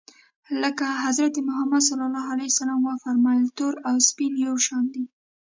لکه حضرت محمد ص و فرمایل تور او سپین یو شان دي.